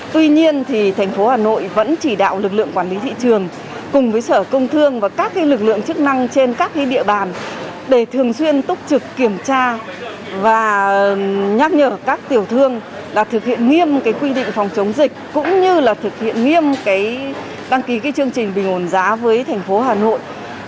tuy nhiên tp hà nội vẫn chỉ đạo lực lượng quản lý thị trường cùng với sở công thương và các lực lượng chức năng trên các địa bàn để thường xuyên túc trực kiểm tra và nhắc nhở các tiểu thương là thực hiện nghiêm quy định phòng chống dịch cũng như là thực hiện nghiêm đăng ký chương trình bình ổn giá với tp hà nội